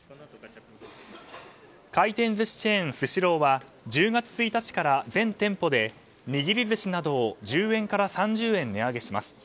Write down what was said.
回転寿司チェーン、スシローは１０月１日から全店舗で握り寿司などを１０円から３０円値上げします。